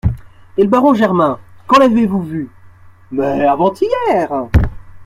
Et le baron Germain, quand l'avez-vous vu ? Mais ! avant-hier.